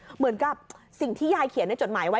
เหมือนกับสิ่งที่ยายเขียนในจดหมายไว้